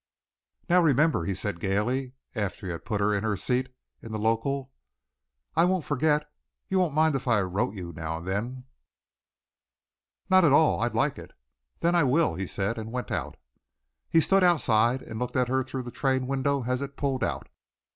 "Now remember!" he said gaily, after he had put her in her seat in the local. "I won't forget." "You wouldn't mind if I wrote you now and then?" "Not at all. I'd like it." "Then I will," he said, and went out. He stood outside and looked at her through the train window as it pulled out.